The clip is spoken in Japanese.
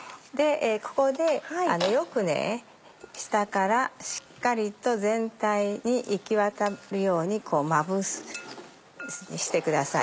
ここでよく下からしっかりと全体に行き渡るようにまぶしてくださいね。